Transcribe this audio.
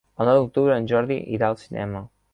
El nou d'octubre en Jordi irà al cinema.